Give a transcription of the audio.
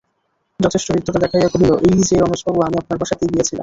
যথেষ্ট হৃদ্যতা দেখাইয়া কহিল, এই-যে রমেশবাবু, আমি আপনার বাসাতেই গিয়াছিলাম।